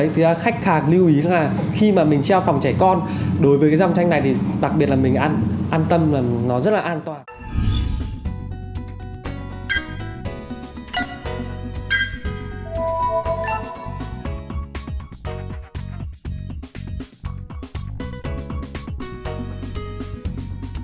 thì khách hàng lưu ý là khi mà mình treo phòng trẻ con đối với cái dòng tranh này thì đặc biệt là mình an tâm là nó rất là an toàn